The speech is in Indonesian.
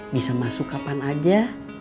bisa masuk kapan aja